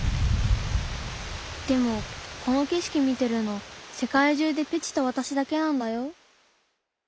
でもこのけしき見てるのせかい中でペチとわたしだけなんだよ。